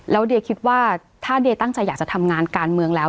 แล้วเดียคิดว่าถ้าเดียตั้งใจอยากจะทำงานการเมืองแล้ว